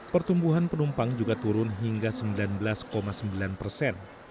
pertumbuhan penumpang juga turun hingga sembilan belas sembilan persen